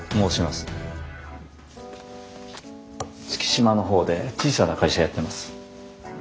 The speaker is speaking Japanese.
月島の方で小さな会社やってます。